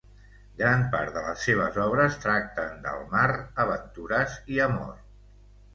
Gran part de les seves obres tracten del mar, aventures, i amor.